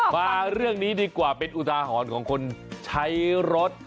มาเรื่องนี้ดีกว่าเป็นอุทาหรณ์ของคนใช้รถ